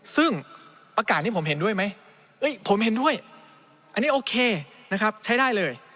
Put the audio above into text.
ซึ่งประกาศที่ผมเห็นด้วยไหมผมเห็นด้วยอันนี้โอเคนะครับใช้ได้เลย